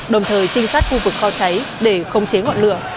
đồng thời trinh sát khu vực kho cháy để khống chế ngọn lửa